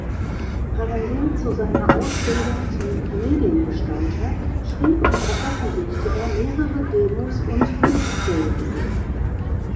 Parallel zu seiner Ausbildung zum Mediengestalter schrieb und veröffentlichte er mehrere Demos und Mixtapes.